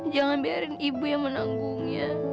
jangan biarin ibu yang menanggungnya